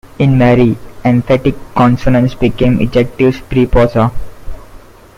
In Mehri, emphatic consonants become ejectives pre-pausa.